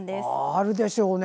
あるでしょうね。